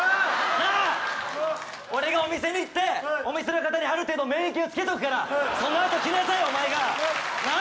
俺がお店に行ってお店の方にある程度免疫をつけとくからそのあと来なさいお前がなっ！